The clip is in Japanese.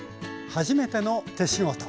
「はじめての手仕事」。